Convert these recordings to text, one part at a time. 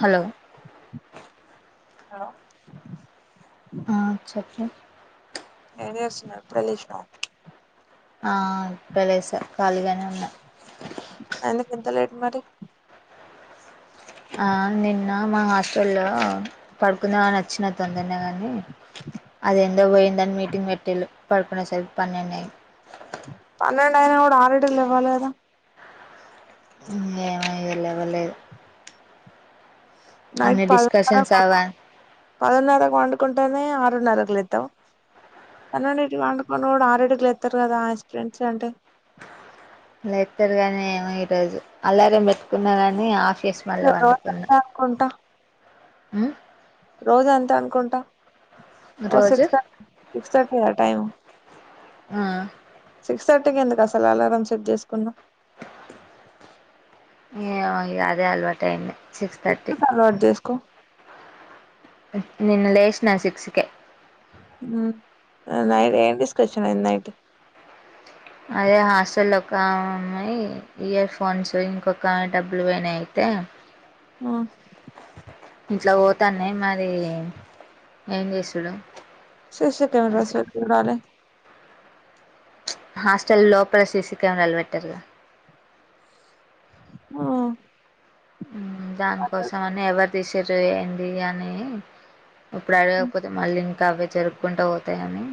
Hello hello ఆ చెప్పు ఏం చేస్తున్నారు ఇప్పుడే లేసినవా ఆ ఇప్పుడే లెస ఖాళీగానే ఉన్నా ఎందుకు ఇంత లేట్ మరి ఆ నిన్న మా హాస్టల్ల్లో పడుకుందామని వచ్చిన తొందరనే గానీ అది ఎందో పోయిందని మీటింగ్ పెట్టిళ్ళు పడుకునే సరికి పన్నెండు అయింది పన్నెండు అయినా కూడా అరిటికి లేవ్వాలి కదా ఇంగ ఏమో ఇగ లేవలేదు నైట్ అన్ని డిస్కషన్స్ పదున్నరకు అవా పదున్నరకు పండుకుంటనే ఆరున్నరకు లెత్తవ పన్నెండిటీకి పండుకొని కూడా అరిటికి లెత్తరు కదా ఆస్ప్రెంట్స్ అంటే లెత్తరు గాని ఏమో ఈ రోజు అల్లారం పెట్టుకున్నా కాని ఆఫీ కుంటా ఉ రోజ అంతా అనుకోంటా ఒ రోజు సిక్స్ త సిక్స్ తట్టి టైము ఆ సిక్స్ థర్టీకి ఎందుకు అసలు అలారం సెట్ జేస్కున్నావ్ ఏవో ఇగ అదే అల్వాటేంది అల్వాట్ జేస్కో నిన్న లేష్నా సిక్సు కే ఈ ఆ నైట్ ఏం డిస్కర్షన్ అయింది నైటు అదే హాసల్లా ఒకా ఆమే ఇయర్ ఫోన్స్ ఇంకొక డబ్బులు వోనై అయితే ఆ ఇంట్లో వోతానే మరీ ఎన్ జేసుడు శిషి కెమెరస్ రాలే హాస్టల్ లోపల సీసి కెవరాల్ వెట్టరు కదా ఆ ఉ దాన్కోసం అని ఎవర్ దిశిర్రు ఏంది అని ఇప్పుడు అడగక్పోతే మళ్ళీ ఇంకా అవ్వే జరుక్కుంట వోతాయని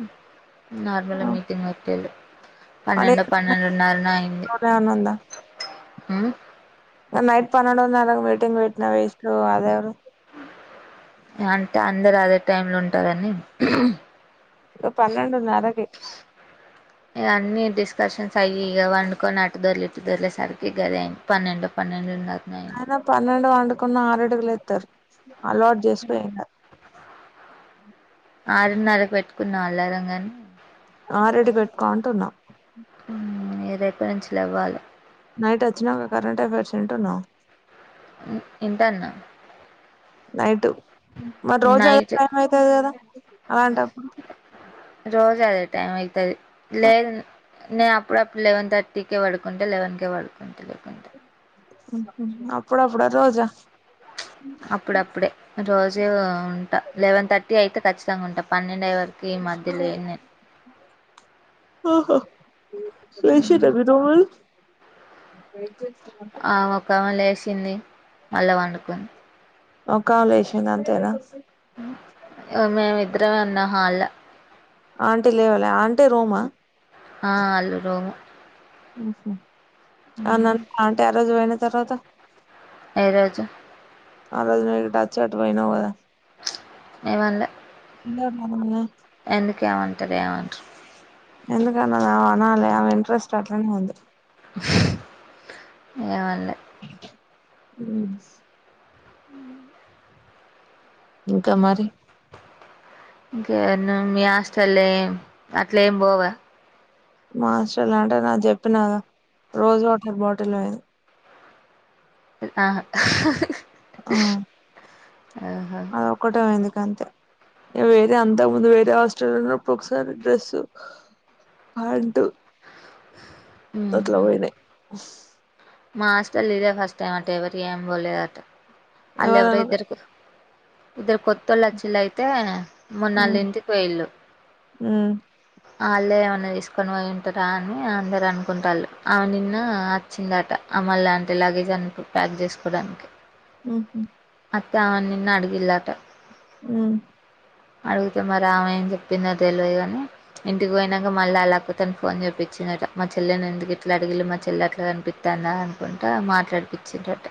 నార్మల్ల హ్మ్ మీటింగ్ వెట్టిల్లు పన్నెండో అదే పన్నెండుర్న్ నో అయింది లోనే అని ఉందా హ నైట్ పన్నెడుంర్నో మీటింగ్ వేట్న వేస్ట్ అదేవరు అంటే అందరు అదే టైమ్ లో ఉంటారని గా పన్నెడున్నరకి ఇగ అన్ని డిస్కషన్స్ అయ్యి ఇగ వండుకొని అటు దొర్లి ఇట్టు దొర్లే సరికి గదే అయింది పన్నెండు పన్నెండున్నర్నే అయన పన్నెండు వండుకున్న ఆరిటికిలెత్తారు అల్వాటు జెస్సుకో ఆరున్నరకు పెట్టుకున్నా అల్లారంగాని ఆ రెడీ వేట్కో అంటున్నా ఉ ఇయ రేప నుంచి లెవ్వలే నైట్ అచ్చినాంక కరెంట్ ఎఫైర్స్ ఇంటున్నావ ఇంటన్న నైట్ మరి రోజు అది నైట్ టైం అయితది గదా అలాంటప్పుడు రోజు అదే టైమ్ అయితది లేద్ నేను అప్పుడుప్పుడు లెవన్ తట్టికే వాడుకుంట లెవన్ కే పడుకుంట లేకుంటే అప్పుడప్పుడా రోజా అప్పుడప్పుడే రోజు ఉంటా లెవెన్ తట్టి అయితే ఖచ్చితంగా ఉంటా పన్నెండు అయ్యే వర్కు అవున ఆహా లెషిరా మీరు మరి ఆమె ఒకామె లేషింది మళ్ళా వండుకుంది ఒకకావే లేషంది అంతేనా మేమి ఇద్దరమే ఉన్నాం హాళ ఆంటీ లేవాల ఆంటే రూమా ఆ అల్లు రూము ఉహు అనాన్న అంటారోజువోయిన తర్వాత ఏరోజు ఆ రోజు ను ఇటు అచ్చి అటు వోయ్నవ్ గద ప్చ్ ఏమన్లే ఎందుకనాలే ఎందుకేమంటాది ఏమంటర్ర్ ఎందుకన్నా అమే అనాలి అమే ఇంట్రెస్ట్ అట్లనే ఉంది హు ఏం అన్లే ఉ ఉ ఇంకా మరి ఇంకా ఇన్ మీ హాస్టల్ ఏయ్ అట్ల ఏం పోవా మా హాస్టల్ అంటే నా చెప్పిన రోజు వాటర్ బాటిల్ పో ఆహా ఆహహా ఆ ఆహా ఆది ఒక్కటే పోయింది గంతే వేరే అంతా ముందు వేరే హాస్టల్ ఉన్నప్పుడు ఒకసారి డ్రెస్ ఉ హంతు గట్ల మ్మ్ పోయినాయి మా హాస్టల్లో ఇదే ఫస్ట్ టైమ్ అట్ట ఎవరివి ఏం పోలేదు అట ఆళ్ళ ఎవరు ఎవలన ఇద్దరుకు ఇద్దరు కొత్తొళ్ళు వోచ్చేళ్ళు అయితే మొన్న వాళ్లు ఉమ్ ఇంటికి పోయి ఇల్లు ఉమ్ అల్లే ఏమన్నా తీసుకొని పోయింటారా అని అందరు అనుకుంటారుళ్ళు ఆమె నిన్న వచ్చిందట ఆమే లాంటి లగేజ్ అని ప్యాక్ చేసుకోవడానికి ఉహు అత్త నిన్ను అడిగిల్లట ఉ అడుగుతే మరి అమే చెప్పిందో తెలవదు కాని ఇంటికి పోయినాక మళ్ళ ఆళ్ల అక్క తోనీ ఫోన్ చేపించిందంట మా చెల్లని ఎందుకు ఇట్ల అడిగిలి మా చెల్లె అట్ల అంటి తన అనుకుంటా మాట్లాడిపిచ్చింద్రట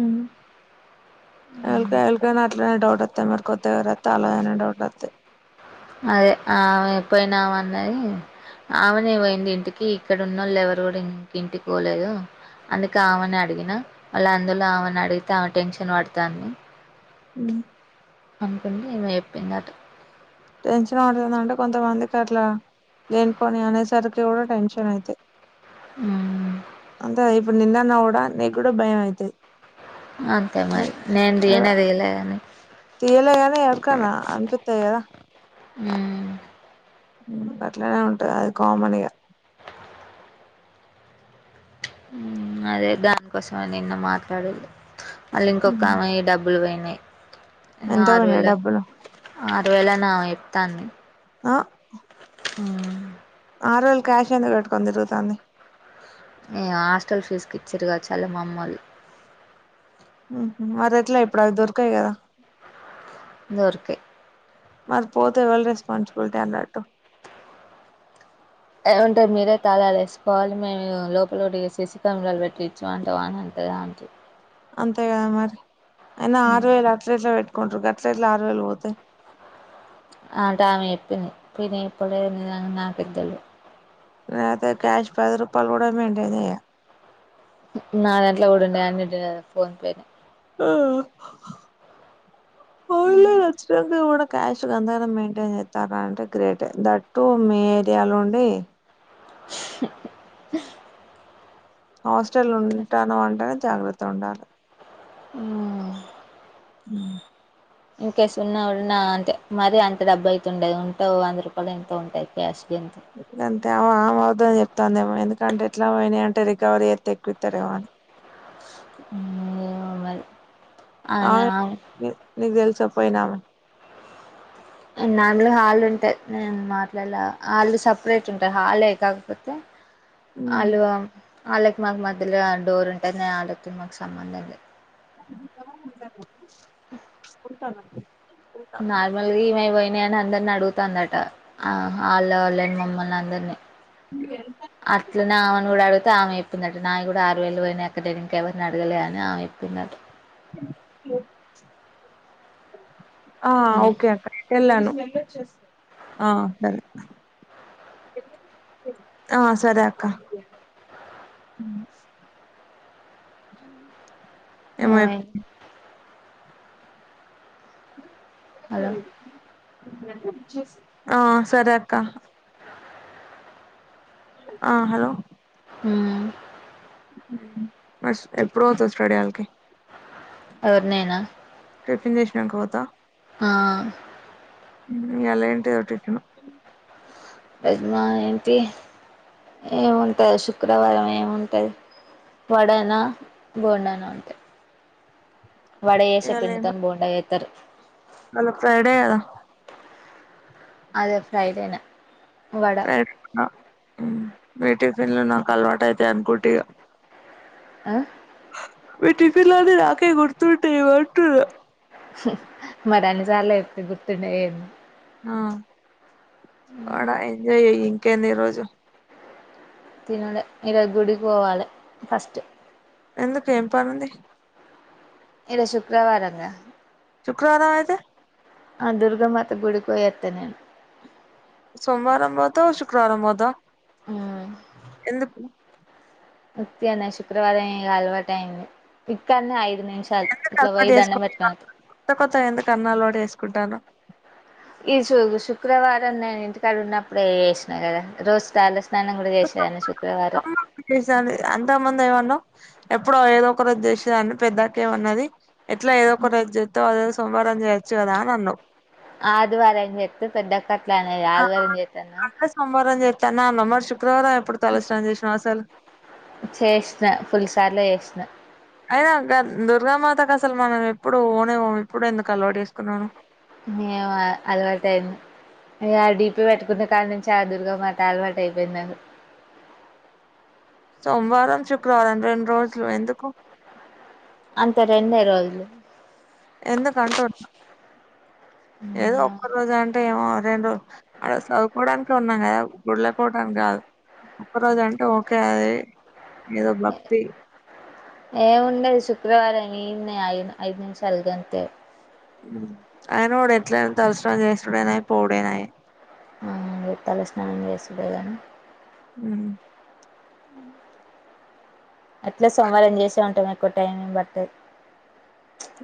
ఉ ఎల్కా ఎల్కా అట్లనే డౌట్ వస్తాది మరి కొత్త కథ తలా అనే డౌట్ వస్తాయి అదే అమే పోయినామే అన్నది ఆమెనే పోయింది ఇంటికి ఇక్కడ ఉన్నోళ్లు ఎవరు కూడా ఇంక్ ఇంటికి పోలేదు అందుకే ఆమెనే అడిగిన మల్ల అందుల్ల ఆమెని అడిగితే టెన్షన్ పడతంది ఉ ఉంటుంది ఈమె చెప్పిందట టెన్షన్ పడుతుందంటే కొంతమందికి అట్ల లేని పోనీ అనేసరికి కూడా టెన్షన్ అయితే అంతే గా ఇప్పుడు నిన్ను అన్న కూడా నీకు కూడా భయం అయితాది అంతే మరి నేను దిగనే దిగ లే గాని తీయలే గాని ఎవరి కన్నా అనిపితది కద ఉ ఉ అట్లనే ఉంటది అది కామన్ ఇగ ఉ అదే దానికోసం నిన్న మాట్లాడిదు ఆళ్ల ఇంకొక ఆమే వీ డబ్బులు పోయినాయి ఎంత పోయినాయి ఆరువేలు డబ్బులు ఆరు వేలు అని ఆమె చెప్తాంది ఆ ఆ ఆరు వేలు క్యాష్ ఎందుకు పెట్టు కొని తిరుగుతోంది మే హాస్టల్ ఫీజు కి ఇచ్చిర్రు కాచు ఆళ్ల మామలు ఉ మరి ఎట్లా ఇప్పుడు అవి దొరికాయి కదా దొరికాయ్ మరి పోతే ఎవళ్ళ రెస్పాన్సిబిలిటీ అన్నట్టు ఏమంటే మీరే తళాల వేసుకోవాలి మేము లోపలోటి ‌సిసీ కెమరాలు పెట్టిచ్చు అంటవానంతే గా అంటే అంతే కదా మరి అయినా ఆరు వేలు అట్ల ఎట్ల పెట్టుకుంట్ర అట్ల ఎట్ల ఆరు వేలు పోతాయి ఆంటే ఆమె చెప్పింది తినె ఇప్పుడు నేన్ [unintelligible] లేతే క్యాష్ పది రూపాయలు కూడా మెయింటైన్ చెయ్యా నా దాంట్లో కూడా ఉండె అన్ని ఫోన్ పేనె ఆ పోన్లె [unintelligible] క్యాష్ అంతగా మెయింటైన్ చేస్తారా అంటే గ్రేటె దట్టు మీ ఏరియాలో ఉండే హాస్టల్లో ఉంటాను అంటేనే జాగ్రత్త ఉండాలె మ్ మ్ ఇన్కేస్ ఉన్నా ఉన్నా అంతే మరి అంత డబ్బు అయితుండదు ఉంటె ఆ వంద రూపాయలు ఎంతో ఉంటాయి క్యాష్ అంత ఇగంతే ఆమ అబద్ధం చెప్తాందేమో ఎందుకంటే ఇట్లా పోయినియ్ అంటే రికవరీ చేత్తె ఎక్కువిత్తారేమో అని మ్ ఏమో మరి ఆమె నీకు తెలిసా పోయినామె నార్మలుగా హళ్ళు ఉంటాయి నేను మాట్లాడలా హళ్ళు సపరేట్ ఉంటాయి హాలే కాకపోతే ఆళ్ళు ఆళ్ళకి మాకు మధ్యలో ఆ డోర్ ఉంటది వాళ్ళకి మాకు సంబంధం లేదు ఉంటాన నార్మల్గా ఇమే పోయినాయని అందరిని అడుగుతాందట ఆ లోళ్ళ ని మమ్మల్ని అందరిని నువు ఎంత అట్ల నె ఆమెను కూడా అడిగితే ఆమె చెప్పిందట నాయి గూడ ఆరు వేలు పోయినయి ఆ క్కడే ఇంక ఎవరిని అడగలే అని ఆమె చెప్పిందట ఓ ఆ ఓకే అక్క ఇటెళ్ళాను ఆ ఓకే డన్ ఆ సరే అక్క ఏం మరి ఏమైంది హలో ఆ సరే అక్క అ ఆ హలో మ్ ఫస్ట్ ఎప్పుడు అవుతది స్టడీ అల్కి ఎవరు నేనా టిఫిన్ చేషినాక పోతా ఆ ఇయలా ఏంటదో టిఫిను రజమా ఏంటి ఏముంటంది శుక్రవారం ఏముంటది వాడనా బోండాన అంతె వడ ఏసే పిండితోనె బోండా ఏత్తారు అల్లకు ఫ్రైడేకద అదే ఫ్రైడేనే వడ పెంట మ్ మి టిపిన్లు నాకు అలవాటు అయితే అనుకుంటగా ఆ మి టిఫిన్ అన్ని నాకే గుర్తుంటటాయి ఒట్టు మరి అన చాలా ఎయితే గుర్తుండే ఏ ఆ అడ ఎంజాయ్ చేయ్యి ఇంకేంది ఈ రోజు తినలె ఇరోజు గుడికి పోవాలి ఫస్ట్ ఎందుకు ఏం పనుంది? ఇద శుక్రవారంగా శుక్రవారం అయతే? ఆ దుర్గ మాత గుడికి పోయత్త నేను సోమవారం పోతావ్, శుక్రవారం పోత మ్ ఎందుకు? పొద్దున్నే శుక్రవారం ఇగ అలవాటు అయింది ఇక్కన్న ఐదు నిమిషాలు ఎందుకు ఇట్లా అలవాటు పోయి దండం చేసుకుంటా పెట్టుకొని వత్త కొత్త కొత్త ఎందుకు అన్నా అవాటు చేసుకుంటాను ఈ శు శుక్రవారం నేను ఇంటికాడ ఉన్నప్పుడు చేసినా కదా రోజు తాల స్నానం కూడా చేసాను శుక్రవారం చేసాను అంత మంది ఏమన్నావ్ ఎప్పుడో ఏదో ఒకరు చేసేదాన్ని పెద్దాక్కెమన్నది ఎట్లా ఏదో ఒక రోజ చేత్తవు అదేదో సోమవారం చేయచ్చు కదా అని అన్నవ్ ఆదివారం చెప్తే పెద్దక్క అట్లా అనేది ఆ ఆదివారం జెత్తనా? అంటే సోమవారం చెత్తాన్ అన్నావ్ మరి శుక్రవారం ఎప్పుడు? తలస్నానం చేసినావ్ అసలు చేసిన ఫుల్సార్లో చేసిన అయినా దుర్గామాతకు అసలు మనం ఎప్పుడు ఓనే ఓనం ఇప్పుడు ఎందుకు అలవాటు చేసుకున్నాను. మేము అలవాటు అయింది ఇగ ఆ డీపి పెట్టుకున్న కానీ నేను చాలా దూరుగా మ తల్వాటు అయిపోయింది నాను సోమవారం, శుక్రవారం రెండు రోజులు ఎందుకు? అంతే రెండే రోజులు ఎందుకుంటున్నా ఏదో ఒక్క రోజు అంటే ఏమో రెండు అడ చదువుకోవడానినికి ఉన్నా కదా గుళ్ళకోవడానికి కాదు. ఒక్కరోజు అంటే ఓకే అది ఏదో భక్తి ఏముండదు శుక్రవారం ఇడనే ఐదు ఐదు నిమిషాలు గంతే ఆయన కూడా ఎట్లనా తలస్నానం చేస్తడేనాయి, పోడేనాయి ఆ తల స్నానం చేసిండేగాను ఉ అ అట్లే సోమవారం చేసే ఉంటాం ఎక్కువ టైం బట్టి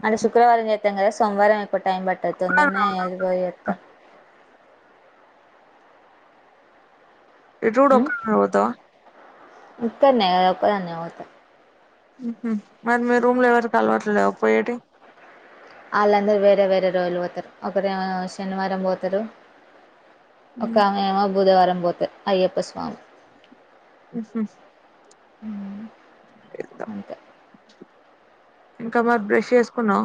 అంటే శుక్రవారం చే ఇదం కద సోమవారం ఎక్కువ టైమ్ పట్టేన్ తొందరనే ఎల్లిపో ఇటు చూడు ఒక్కన్నే పోతావా? ఇక్కన్నే నే ఒక్క దాన్నే పోత ఉహు మరి మీరు రూమ్ లో ఎవరికి అలవట్లేవా పోయేటి? ఆళ్ళందరూ వేరే వేరే రోజులు పోతారు ఒకరు శనివారం పోతారు. ఒకమేమో బుధవారం పోతది అయ్యప్ప స్వామి ఎస్ ఎస్ అంతే ఇంకా మరి బ్రష్ చేసుకున్నా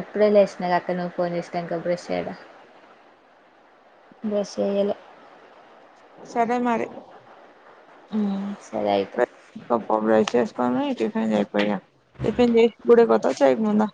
ఇప్పుడే లేసినా అక్క నువ్వు ఫోన్ చేసినంకా ఇగ బ్రష్ యేడా బ్రష్ ఏయ్యాలె సరే మరి హ్ సరే అయితే [unintelligible] డ్రైస్ ఏసుకోని టిఫిన్ చేయకపోయే టిఫిన్ చేసి గుడికి పోతావా చేయకముందా